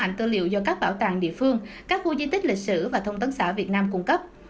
ảnh tư liệu do các bảo tàng địa phương các khu di tích lịch sử và thông tấn xã việt nam cung cấp